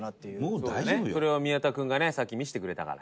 トシ：それを宮田君がねさっき見せてくれたから。